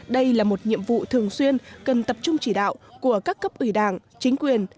đây là một nhiệm vụ thường xuyên cần tập trung chỉ đạo của các cấp ủy đảng chính quyền